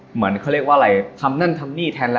เหมือนเขาเรียกว่าอะไรทำนั่นทำนี่แทนแล้ว